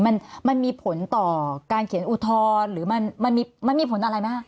มันมีผลต่อการเขียนอุทธศ์หรือมันมีผลอะไรไหมฮะ